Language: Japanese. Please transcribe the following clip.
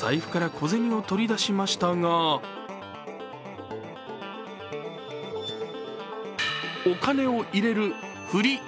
財布から小銭を取り出しましたがお金を入れるふり。